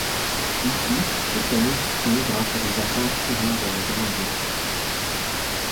Ici, le piano soutient grâce à des accords tirant vers le grandiose.